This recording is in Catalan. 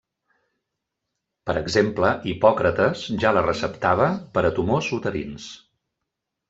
Per exemple Hipòcrates ja la receptava per a tumors uterins.